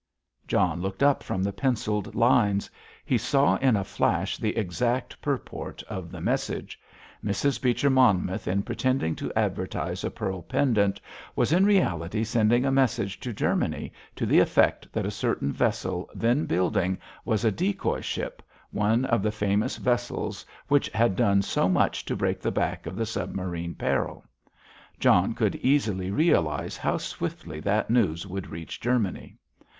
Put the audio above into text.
John looked up from the pencilled lines. He saw in a flash the exact purport of the message. Mrs. Beecher Monmouth in pretending to advertise a pearl pendant was in reality sending a message to Germany to the effect that a certain vessel then building was a decoy ship, one of the famous vessels which had done so much to break the back of the submarine peril. John could easily realise how swiftly that news would reach Germany.